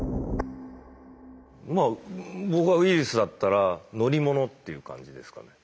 まあ僕がウイルスだったら乗り物っていう感じですかね。